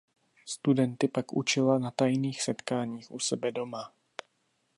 Studenty pak učila na tajných setkáních u sebe doma.